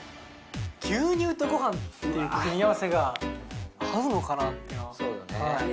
牛乳とご飯っていう組み合わせが合うのかなって・そうよね・